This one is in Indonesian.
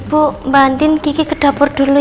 ibu mbak andien kiki ke dapur dulu ya